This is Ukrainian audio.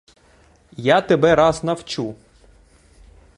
Я тебе раз навчу!